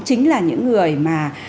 chính là những người mà